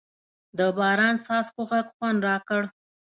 د باران څاڅکو غږ خوند راکړ.